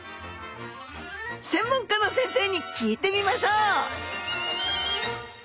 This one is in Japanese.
専門家の先生に聞いてみましょう！